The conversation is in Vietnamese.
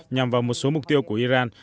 nhằm vào một số mục tiêu của iran